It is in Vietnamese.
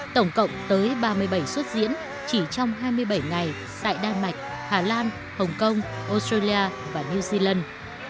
tổng cộng tới ba mươi bảy xuất diễn chỉ trong hai mươi bảy ngày tại đan mạch hà lan hồng kông australia và new zealand